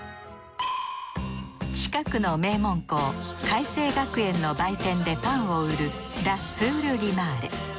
近くの名門校開成学園の売店でパンを売るラ・スール・リマーレ。